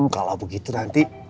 kalau begitu nanti